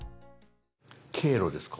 「経路」ですか？